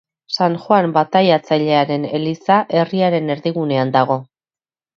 San Joan Bataiatzailearen eliza, herriaren erdigunean dago.